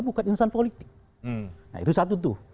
bukan insan politik nah itu satu tuh